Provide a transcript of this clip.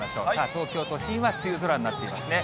東京都心は梅雨空になっていますね。